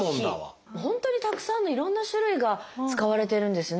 本当にたくさんのいろんな種類が使われてるんですね。